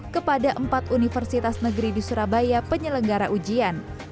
kepada empat universitas negeri di surabaya penyelenggara ujian